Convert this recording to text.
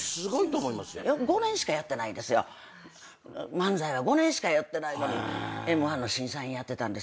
漫才は５年しかやってないのにＭ−１の審査員やってたんです。